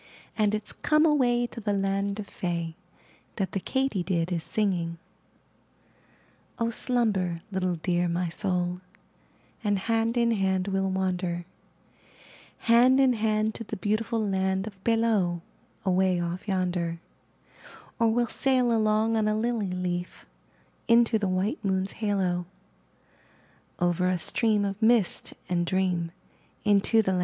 And it's *'Come away to the land of fay," That the katydid is singing. Oh, slumber, little Dear My Soul, And hand in hand we'll wander — Hand in hand to the beautiful land Of Balow, away off yonder; Or we'll sail along on a lily leaf Into the white moon's halo — Over a stream of mist and dream Into the land of Balow.